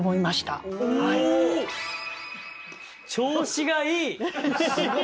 調子がいい！